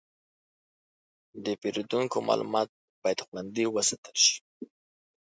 د پیرودونکو معلومات باید خوندي وساتل شي.